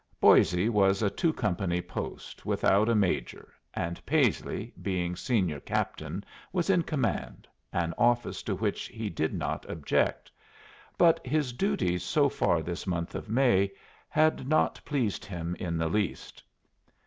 Boisé was a two company post without a major, and Paisley, being senior captain, was in command, an office to which he did not object. But his duties so far this month of May had not pleased him in the least.